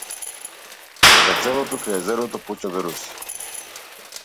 Над селото крај езерото почна да роси.